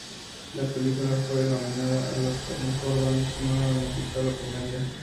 La película fue nominada al Óscar a Mejor banda sonora en musical o Comedia.